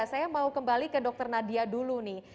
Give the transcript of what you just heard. saya mau kembali ke dr nadia dulu nih